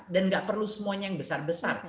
dan nggak perlu semuanya yang besar besar